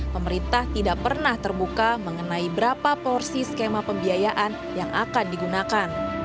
pemerintah tidak pernah terbuka mengenai berapa porsi skema pembiayaan yang akan digunakan